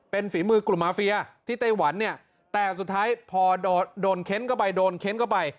เป็นฝีมือกลุ่มมาเฟียที่ไต้หวันเนี่ยแต่สุดท้ายพอโดนเค้นเข้าไปโดนเค้นเข้าไป